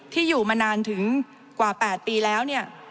ที่อยู่มานานถึงกว่า๘ปีแล้วเนี่ย